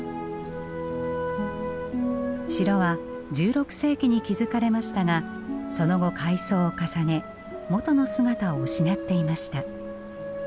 城は１６世紀に築かれましたがその後改装を重ね元の姿を失っていました。